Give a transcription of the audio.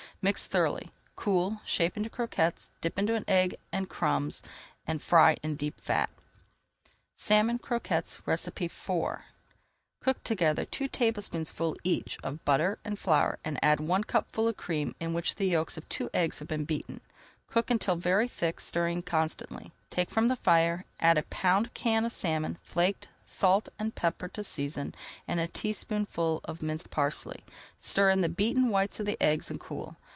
Mix thoroughly, cool, shape into croquettes, dip into egg and crumbs, and fry in deep fat. SALMON CROQUETTES IV Cook together two tablespoonfuls each of [Page 295] butter and flour and add one cupful of cream in which the yolks of two eggs have been beaten. Cook until very thick, stirring constantly. Take from the fire, add a pound can of salmon, flaked, salt and pepper to season, and a teaspoonful of minced parsley. Stir in the beaten whites of the eggs and cool.